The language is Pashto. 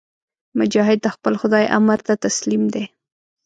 مجاهد د خپل خدای امر ته تسلیم دی.